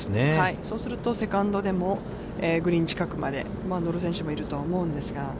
そうすると、セカンドでもグリーン近くまで乗る選手がいるとは思うんですが。